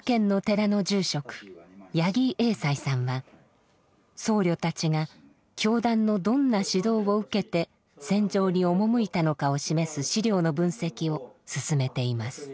八木英哉さんは僧侶たちが教団のどんな指導を受けて戦場に赴いたのかを示す資料の分析を進めています。